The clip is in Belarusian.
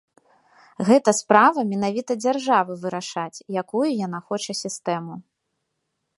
Гэта справа менавіта дзяржавы вырашаць, якую яна хоча сістэму.